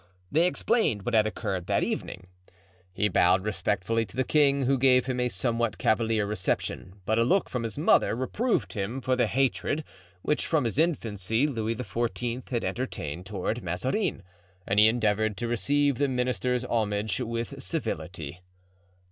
They explained what had occurred that evening. He bowed respectfully to the king, who gave him a somewhat cavalier reception, but a look from his mother reproved him for the hatred which, from his infancy, Louis XIV. had entertained toward Mazarin, and he endeavored to receive the minister's homage with civility.